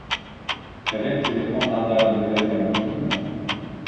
Һеҙҙең телефон һандарын белергә мөмкинме?